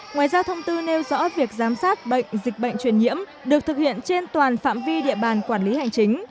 ngoài ra thông tư nêu rõ việc giám sát bệnh dịch bệnh truyền nhiễm được thực hiện trên toàn phạm vi địa bàn quản lý hành chính